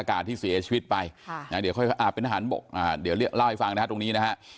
อากาศที่เสียชีวิตไปโดยค่อยเป็นอาชารณ์บกเดี๋ยวเล่าให้ฟังนะฮะตรงนี้นะฮะ